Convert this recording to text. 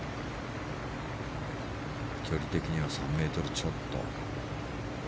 距離的には３ｍちょっと。